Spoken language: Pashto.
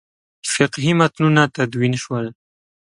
فقهي متنونه تدوین شول.